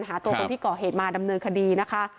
หาตัวคนที่ก่อเหตุมาดำเนินคดีนะคะ